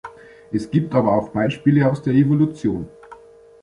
Es gibt aber auch Beispiele aus der Evolution.